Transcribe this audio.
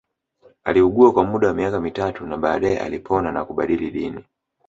Aliugua kwa muda wa miaka mitatu na baadae alipona na kubadili dini